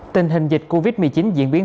tình hình dịch covid một mươi chín diễn biến